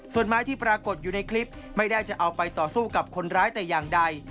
ส่วนไม้ที่ปรากฏอยู่ในคลิปไม่ได้จะเอาไปต่อสู้กับคนร้ายแต่อย่างใด